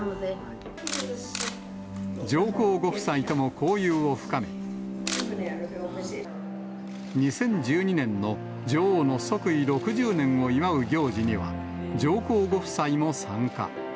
上皇ご夫妻とも交友を深め、２０１２年の女王の即位６０年を祝う行事には、上皇ご夫妻も参加。